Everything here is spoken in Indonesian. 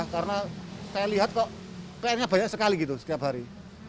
karena saya lihat kok pn nya banyak sekali gitu setiap hari